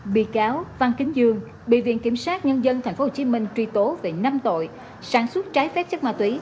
bị cáo văn kính dương bị viện kiểm sát nhân dân tp hcm truy tố về năm tội sản xuất trái phép chất ma túy